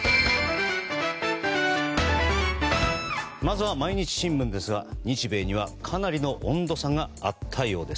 まずは毎日新聞ですが日米にはかなりの温度差があったようです。